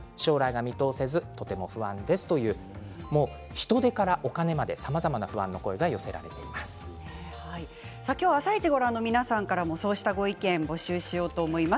人手からお金までさまざまな不安が「あさイチ」をご覧の皆さんからも、そうしたご意見を募集します。